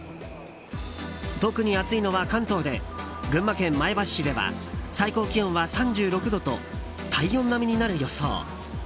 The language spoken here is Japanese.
特に暑いのが関東で群馬県前橋市では最高気温は３６度と体温並みになる予想。